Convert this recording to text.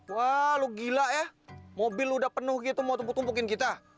wah lu gila ya mobil udah penuh gitu mau tumpuk tumpukin kita